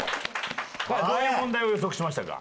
どういう問題を予測しましたか？